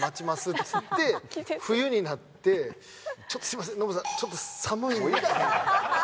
っつって冬になって「すいませんノブさんちょっと寒いんで」